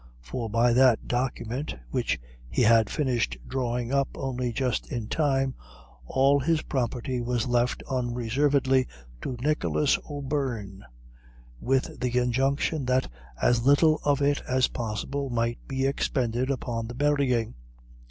For by that document, which he had finished drawing up only just in time, all his property was left unreservedly to Nicholas O'Beirne, with the injunction that as little of it as possible might be expended upon "the burying."